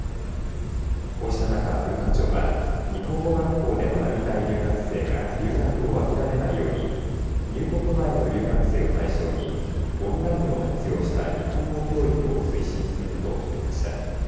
こうした中、文化庁は日本語学校で学びたい留学生が留学を諦めないように入国前の留学生を対象にオンラインを活用した日本語教育を推進することを決めました。